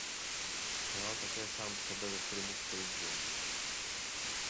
Hrál také sám sebe ve filmu "Space Jam".